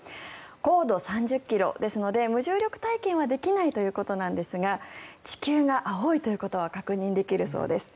高度３０ｋｍですので無重力体験はできないということなんですが地球が青いということは確認できるそうです。